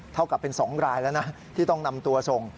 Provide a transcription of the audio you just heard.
เท่ากับเป็น๒รายแล้วนะที่ต้องนำตัวส่ง